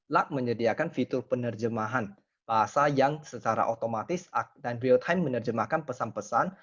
luck menyediakan fitur penerjemahan bahasa yang secara otomatis dan real time menerjemahkan pesan pesan